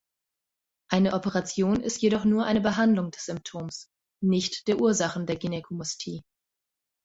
Eine Operation ist jedoch nur eine Behandlung des Symptoms, nicht der Ursachen der Gynäkomastie.